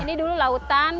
ini dulu lautan